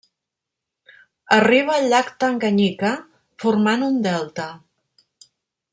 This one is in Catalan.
Arriba al llac Tanganyika formant un delta.